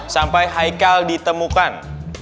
sampai haikal ditemukan